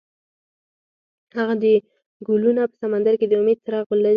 هغه د ګلونه په سمندر کې د امید څراغ ولید.